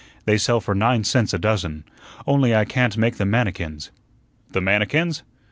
They sell for nine cents a dozen. Only I can't make the manikins." "The manikins?"